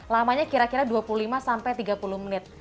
lamanya kira kira dua puluh lima sampai tiga puluh menit